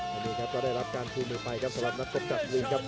นี่ครับจะได้รับการชื่อมือไปสำหรับนะตรกจัดวิงครับ